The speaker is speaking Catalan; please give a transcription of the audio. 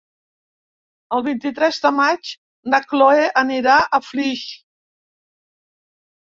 El vint-i-tres de maig na Chloé anirà a Flix.